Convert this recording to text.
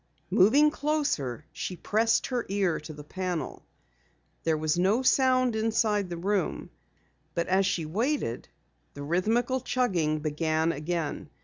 Moving closer, she pressed her ear to the panel. There was no sound inside the room, but as she waited, the rhythmical chugging began again.